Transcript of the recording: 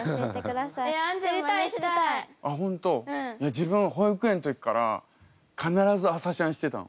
自分保育園の時から必ず朝シャンしてたの。